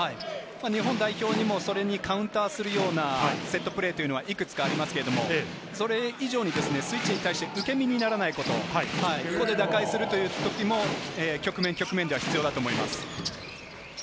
日本代表にもそれにカウンターするようなセットプレーがいくつかありますが、それ以上にスイッチに対して受け身にならないこと、ここで打開するというときも局面、局面では必要だと思います。